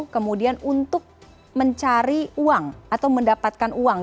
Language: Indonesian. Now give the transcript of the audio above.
kemudian untuk mencari uang atau mendapatkan uang